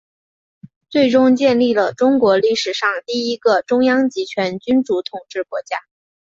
最终建立了中国历史上第一个中央集权君主统治国家。